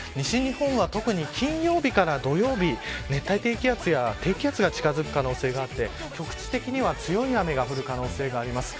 西日本は特に金曜日から土曜日熱帯低気圧や低気圧が近づく可能性があって局地的には強い雨が降る可能性があります。